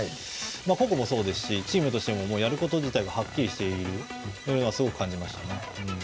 個人としてもチームとしてもやること自体がはっきりしているのをすごく感じましたね。